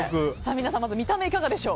皆さん見た目、いかがでしょう？